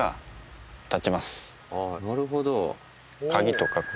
なるほど。